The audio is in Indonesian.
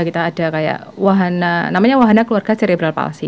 kita ada kayak wahana keluarga cerebral palsy